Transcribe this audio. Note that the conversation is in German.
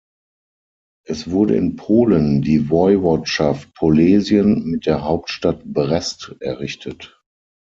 Es wurde in Polen die Woiwodschaft Polesien mit der Hauptstadt Brest errichtet.